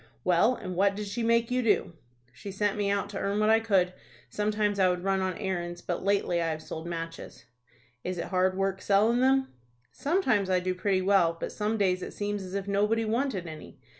Well, and what did she make you do?" "She sent me out to earn what I could. Sometimes I would run on errands, but lately I have sold matches." "Is it hard work sellin' them?" "Sometimes I do pretty well, but some days it seems as if nobody wanted any.